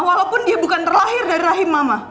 walaupun dia bukan terlahir dari rahim mama